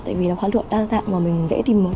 tại vì là hoa lụa đa dạng và mình dễ tìm